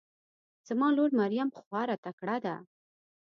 زما لور مريم خواره تکړه ده